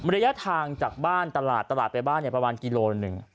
ระยะทางจากบ้านตลาดตลาดไปบ้านประมาณกิโลละหนึ่ง